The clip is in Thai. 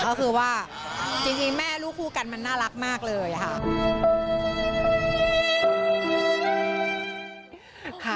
ก็คือว่าจริงแม่ลูกคู่กันมันน่ารักมากเลยค่ะ